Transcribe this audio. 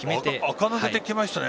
垢抜けてきましたね。